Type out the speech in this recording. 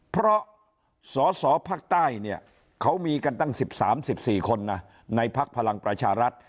เพราะสอสอภักดิ์ใต้เนี่ยเขามีกันตั้งสิบสามสิบสี่คนนะในภักดิ์พลังประชารัฐ